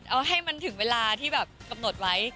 เอาให้มันถึงเวลาที่แบบกำหนดไว้